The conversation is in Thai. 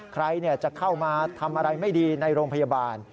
ใครจะเข้ามาทำอะไรไม่ดีในโรงพยาบาล